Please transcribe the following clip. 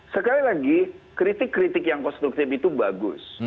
sekali lagi kritik kritik yang konstruktif itu bagus